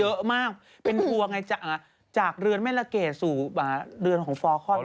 เยอะมากเป็นห่วงไงจากเรือนแม่ละเกดสู่เรือนของฟอร์คอน